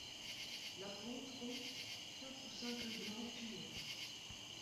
La ponte compte quatre ou cinq œufs blanc pur.